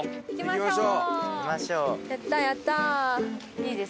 行きましょう！